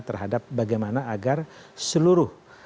terhadap bagaimana agar seluruh